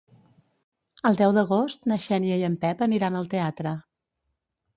El deu d'agost na Xènia i en Pep aniran al teatre.